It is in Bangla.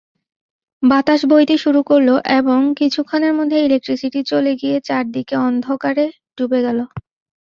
বাতাস বইতে শুরু করল এবং কিছুক্ষণের মধ্যে ইলেকট্রিসিটি চলে গিয়ে চারদিক অন্ধকারে ডুবে গেল।